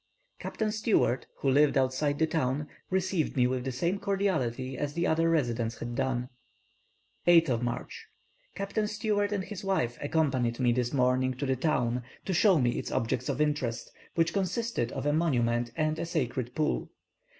Captain Stewart, who lived outside the town, received me with the same cordiality as the other residents had done. 8th March. Captain Stewart and his wife accompanied me this morning to the town to show me its objects of interest, which consisted of a monument and a sacred pool.